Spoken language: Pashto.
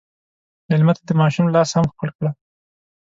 مېلمه ته د ماشوم لاس هم ښکل کړه.